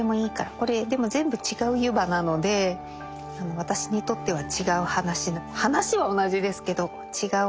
これでも全部違う「湯葉」なので私にとっては違う話。